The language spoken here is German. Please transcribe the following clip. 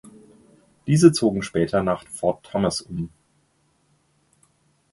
Diese zogen später nach Fort Thomas um.